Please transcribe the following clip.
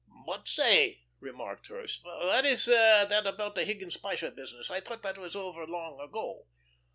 "But say," remarked Hirsch, "what is that about the Higgins Pasha business? I thought that was over long ago."